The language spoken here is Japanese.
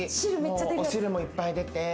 お汁もいっぱい出て。